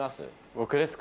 僕ですか？